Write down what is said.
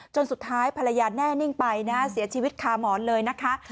จนสุดท้ายภรรยาแน่นิ่งไปนะเสียชีวิตคาหมอนเลยนะคะ